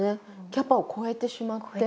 キャパを超えてしまって。